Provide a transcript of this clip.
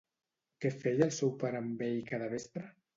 Què feia el seu pare amb ell cada vespre?